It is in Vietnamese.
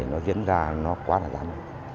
nó diễn ra nó quá là giảm